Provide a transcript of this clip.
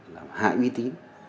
là hại uy tín